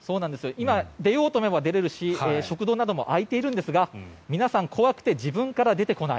今、出ようと思えば出られるし食堂なども開いているんですが皆さん、怖くて自分から出てこない。